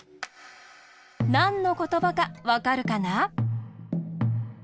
なんのことばかわかるかな？